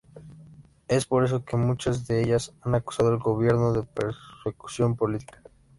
Es por eso que muchas de ellas han acusado al gobierno de persecución política.